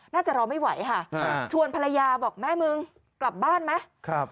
น่าจะรอไม่ไหวค่ะชวนภรรยาบอกแม่มึงกลับบ้านไหม